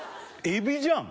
エビじゃん